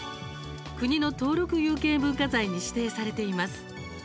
国の登録有形文化財に指定されています。